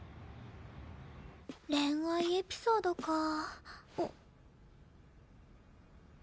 恋愛エピソードかあ。